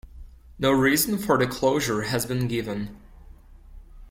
No reason for the closure has been given.